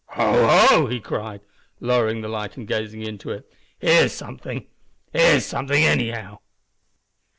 "Ho! ho!" he cried, lowering the light and gazing into it. "Here's something, anyhow."